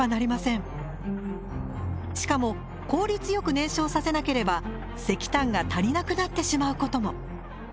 しかも効率よく燃焼させなければ石炭が足りなくなってしまうことも。